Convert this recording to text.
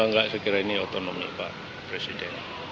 wah nggak saya kira ini otonomi pak presiden